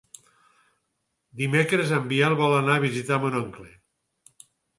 Dimecres en Biel vol anar a visitar mon oncle.